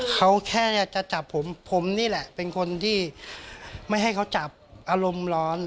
เขาแค่จะจับผมผมนี่แหละเป็นคนที่ไม่ให้เขาจับอารมณ์ร้อน